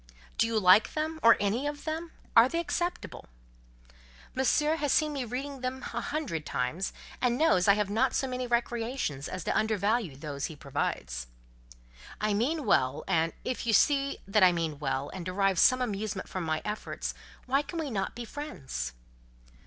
"Do you like them, or any of them?—are they acceptable?" "Monsieur has seen me reading them a hundred times, and knows I have not so many recreations as to undervalue those he provides." "I mean well; and, if you see that I mean well, and derive some little amusement from my efforts, why can we not be friends?"